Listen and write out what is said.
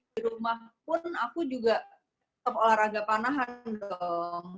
di rumah pun aku juga tetap olahraga panahan dong